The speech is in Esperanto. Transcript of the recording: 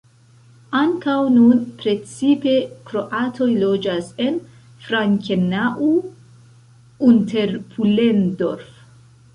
Ankaŭ nun precipe kroatoj loĝas en Frankenau-Unterpullendorf.